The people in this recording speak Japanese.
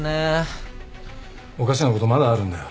おかしなことまだあるんだよ。